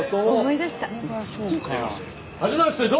お願いします！